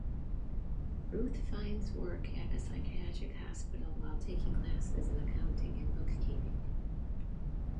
Ruth finds work at a psychiatric hospital while taking classes in accounting and bookkeeping.